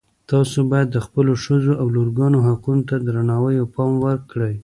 تاسو باید د خپلو ښځو او لورګانو حقونو ته درناوی او پام وکړئ